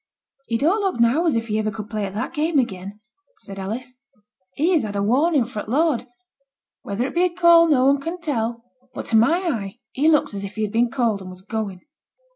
'He don't look now as if he iver could play at that game again,' said Alice; 'he has had a warning fra' the Lord. Whether it be a call no one can tell. But to my eyne he looks as if he had been called, and was going.'